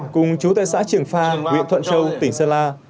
cùng chú tại xã trường pha huyện thuận châu tỉnh sơn la